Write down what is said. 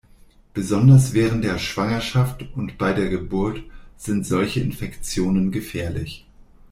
Besonders während der Schwangerschaft und bei der Geburt sind solche Infektionen gefährlich.